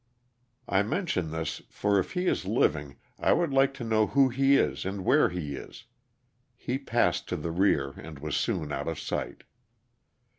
I mention this for if he is living I would like to know who he is and where he is. He passed to the rear and was soon out of sight.